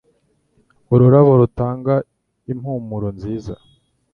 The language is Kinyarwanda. Ururabo rutanga impumuro nziza.